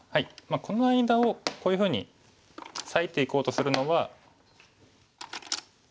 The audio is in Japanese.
この間をこういうふうに裂いていこうとするのは。